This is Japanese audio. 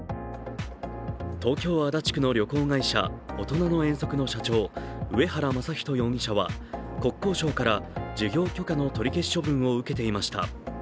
東京・足立区の旅行会社おとなの遠足の社長、上原昌仁容疑者は国交省から事業許可の取り消し処分を受けていました。